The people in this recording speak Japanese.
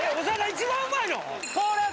一番うまいの？